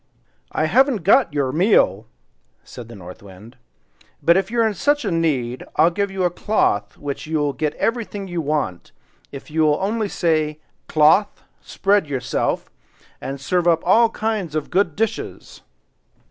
"I haven't got your meal," said the North Wind; "but if you are in such need, I'll give you a cloth which will get you everything you want, if you only say, 'Cloth, spread yourself, and serve up all kinds of good dishes!